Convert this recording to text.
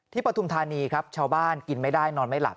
ปฐุมธานีครับชาวบ้านกินไม่ได้นอนไม่หลับ